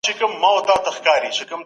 تاسو باید د ټیکنالوژۍ له خطراتو خبر اوسئ.